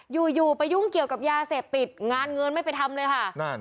อยู่อยู่ไปยุ่งเกี่ยวกับยาเสพติดงานเงินไม่ไปทำเลยค่ะนั่น